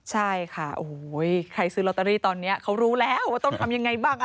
ใช่ค่ะโอ้โหใครซื้อลอตเตอรี่ตอนนี้เขารู้แล้วว่าต้องทำยังไงบ้าง